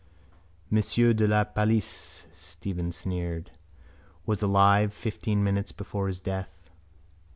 —Monsieur de la Palice, Stephen sneered, was alive fifteen minutes before his death.